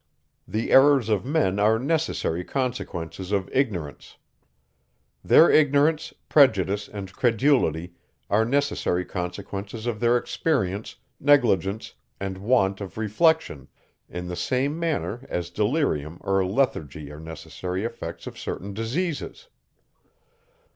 The errors of men are necessary consequences of ignorance. Their ignorance, prejudice, and credulity are necessary consequences of their inexperience, negligence, and want of reflection, in the same manner as delirium or lethargy are necessary effects of certain diseases.